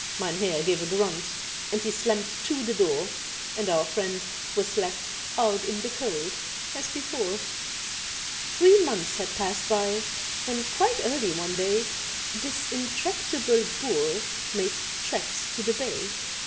Mynheer gave a grunt, and he slammed to the door, And our friend was "left out in the cold" as before. Three months had passed by when quite early one day This intractable Boer made tracks to the Bay.